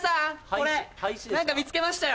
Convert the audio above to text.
これ何か見つけましたよ